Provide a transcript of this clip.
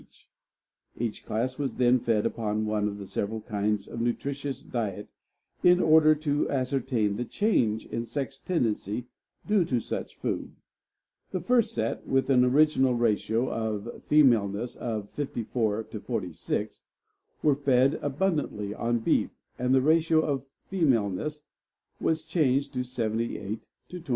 Each class was then fed upon one of several kinds of nutritious diet in order to ascertain the change in sex tendency due to such food. The first set, with an original ratio of femaleness of 54 to 46, were fed abundantly on beef, and the ratio of femaleness was changed to 78 to 22.